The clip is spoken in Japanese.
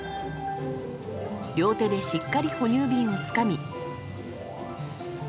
両手でしっかり哺乳瓶をつかみ。